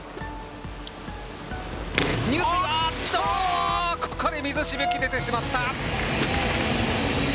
入水、あーっと、ここで水しぶき出てしまった。